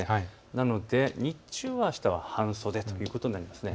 なので日中はあしたは半袖ということになります。